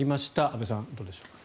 安部さん、どうでしょうか。